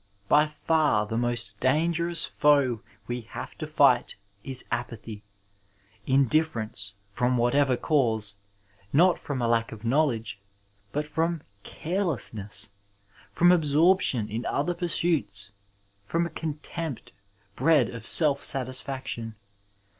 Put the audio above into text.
By far the most dangerous foe we have to fight is apathy — ^indifference from whatever cause, not from a lack of knowledge, but from carelessness, from absorption in other pursuits, from a contempt bred of self satisfaction.